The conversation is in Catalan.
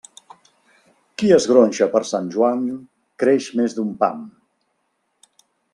Qui es gronxa per Sant Joan, creix més d'un pam.